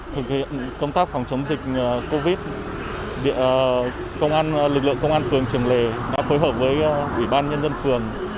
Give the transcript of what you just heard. thực hiện công tác phòng chống dịch covid lực lượng công an phường trường lề đã phối hợp với ủy ban nhân dân phường